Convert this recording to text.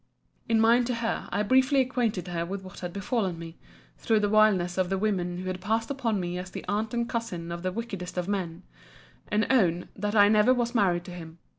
In mine to her, I briefly acquainted her 'with what had befallen me, through the vileness of the women who had passed upon me as the aunt and cousin of the wickedest of men; and own, that I never was married to him.